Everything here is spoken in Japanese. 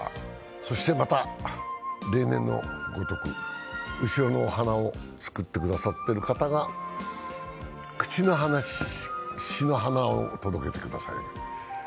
そしてまた、例年のごとく後ろのお花を作ってくださっている方がくちなしの花を届けてくださいました。